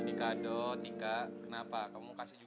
ini kado tika kenapa kamu mau kasih juga